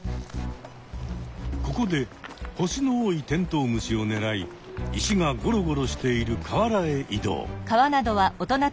ここで星の多いテントウムシをねらい石がごろごろしている河原へ移動。